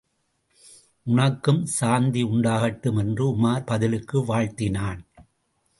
உனக்கும் சாந்தி உண்டாகட்டும்! என்று உமார் பதிலுக்கு வாழ்த்தினான்.